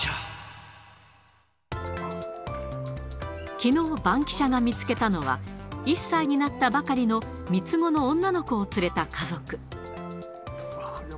きのう、バンキシャが見つけたのは、１歳になったばかりの３つ子の女の子を連れた家族。